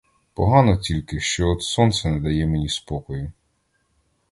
Погано тільки, що от сонце не дає мені спокою!